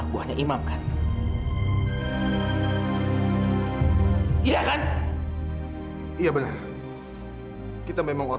kamu akan diterima bagi siapa saja